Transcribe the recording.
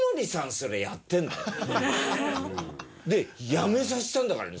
でやめさせたんだからね